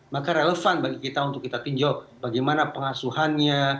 maka relevan bagi kita untuk kita tinjau bagaimana pengasuhannya